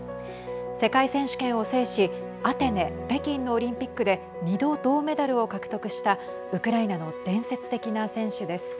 世界選手権を制しアテネ、北京のオリンピックで２度、銅メダルを獲得したウクライナの伝説的な選手です。